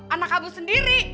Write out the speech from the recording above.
anak kamu sendiri